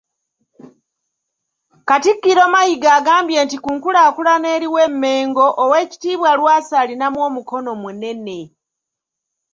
Katikkiro Mayiga agambye nti ku nkulaakulana eriwo e Mmengo, Oweekitiibwa Lwasa alinamu omukono munene .